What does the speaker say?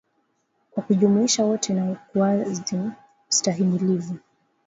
kwa kujumuisha wote na ukuaji stahimilivu